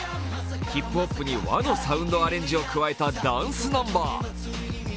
ヒップホップに和のサウンドアレンジを加えたダンスナンバー。